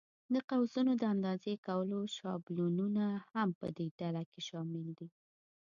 د قوسونو د اندازې کولو شابلونونه هم په دې ډله کې شامل دي.